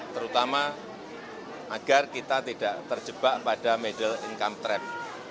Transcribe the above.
terutama agar kita tidak terjebak pada middle income trap